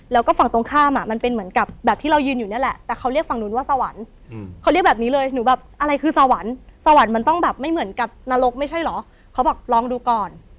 แล้วก็ฝั่งตรงข้ามอ่ะมันเป็นเหมือนกับแบบที่เรายืนอยู่นี่แหละแต่เขาเรียกฝั่งนู้นว่าสวรรค์เขาเรียกแบบนี้เลยหนูแบบอะไรคือสวรรค์สวรรค์มันต้องแบบไม่เหมือนกับนรกไม่ใช่เหรอเขาบอกลองดูก่อน